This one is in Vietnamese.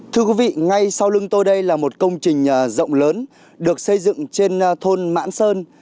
thưa quý vị ngay sau lưng tôi đây là một công trình rộng lớn được xây dựng trên thôn mãn sơn